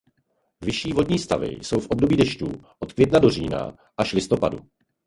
Vyšší vodní stavy jsou v období dešťů od května do října až listopadu.